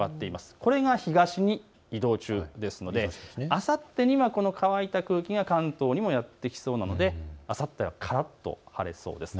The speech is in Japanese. これが東に移動中ですのであさってには乾いた空気が関東にもやって来そうなのであさってはからっとなりそうです。